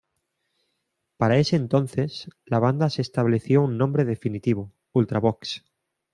Para ese entonces, la banda se estableció un nombre definitivo, "Ultravox!